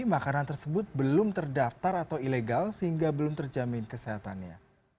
makanan tersebut belum terdaftar atau ilegal sehingga belum terjamin kesehatannya